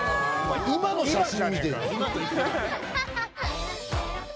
今の写真みてえ。